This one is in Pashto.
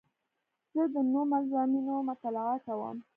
زه د نوو مضامینو مطالعه کوم.